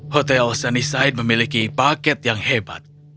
hotel sunnisite memiliki paket yang hebat